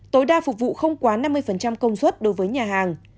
tối đa phục vụ không quá năm mươi công suất đối với nhà hàng